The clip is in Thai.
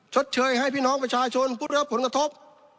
ชดเชยให้พี่น้องประชาชนผู้ได้รับผลกระทบ